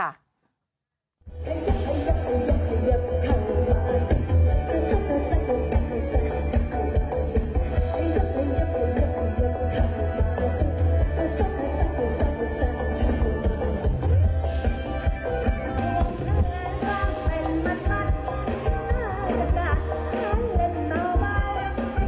ภารกิจสุดที่ถึงเวียบกายจะแค่สังาพเหลือแม่